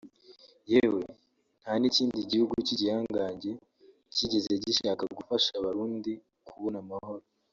yewe nta n’ikindi gihugu cy’igihangange kigeze gishaka gufasha Abarundi kubona amahoro